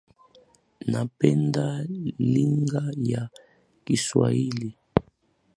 Napenda lugha ya Kiswahili